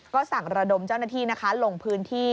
ก็สั่งระดมเจ้าหน้าที่นะคะลงพื้นที่